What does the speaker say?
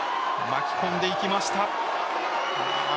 巻き込んでいきました。